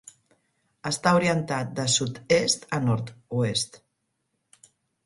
Està orientat de sud-est a nord-oest.